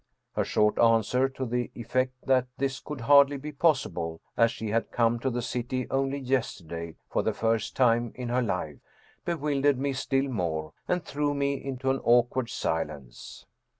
Her short answer, to the effect that this could hardly be possible, as she had come to the city only yesterday for the first time in her life, bewildered me still more and threw me into an awkward silence.